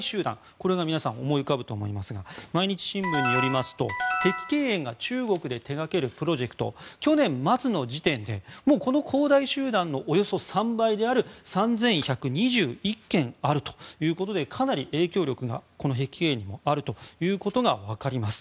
これが皆さん思い浮かぶと思いますが毎日新聞によりますと碧桂園が中国で手掛けるプロジェクト去年末の時点でもうこの恒大集団のおよそ３倍である３１２１件あるということでかなり影響力が碧桂園にはあることが分かります。